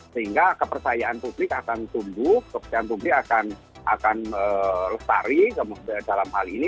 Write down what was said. sehingga kepercayaan publik akan tumbuh kepercayaan publik akan lestari dalam hal ini